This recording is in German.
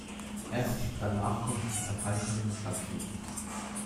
Erst danach konnte die Parteigründung stattfinden.